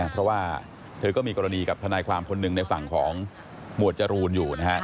เพราะว่าเธอก็มีกรณีกับทนายความคนหนึ่งในฝั่งของหมวดจรูนอยู่นะฮะ